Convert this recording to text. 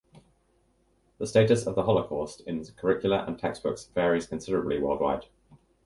The status of the Holocaust in curricula and textbooks varies considerably worldwide.